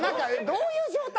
どういう状態？